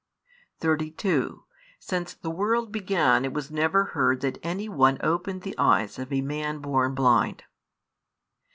32 Since the world began it was never heard that any one opened the eyes of a man born blind.